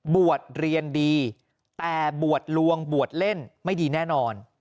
บวชเรียนดีแต่บวชลวงบวชเล่นไม่ดีแน่นอน